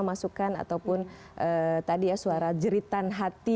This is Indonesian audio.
masukan ataupun tadi ya suara jeritan hati